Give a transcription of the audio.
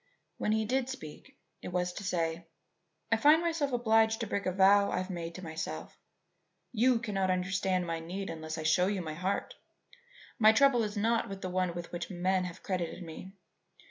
When he did speak it was to say: "I find myself obliged to break a vow I have made to myself. You cannot understand my need unless I show you my heart. My trouble is not the one with which men have credited me.